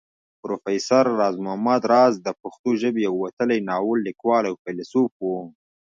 پروفېسر راز محمد راز د پښتو ژبې يو وتلی ناول ليکوال او فيلسوف وو